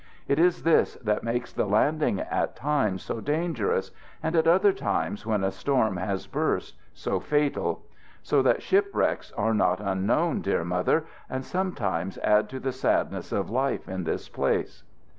It is this that makes the landing at times so dangerous; and at other times, when a storm has burst, so fatal. So that shipwrecks are not unknown, dear Mother, and sometimes add to the sadness of life in this place.